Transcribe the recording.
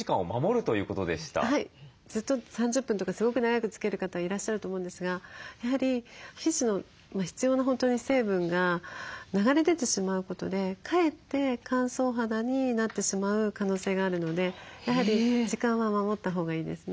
ずっと３０分とかすごく長くつける方いらっしゃると思うんですがやはり皮脂の必要な成分が流れ出てしまうことでかえって乾燥肌になってしまう可能性があるのでやはり時間は守ったほうがいいですね。